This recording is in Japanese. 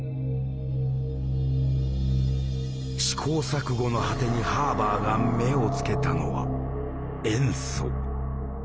試行錯誤の果てにハーバーが目をつけたのは。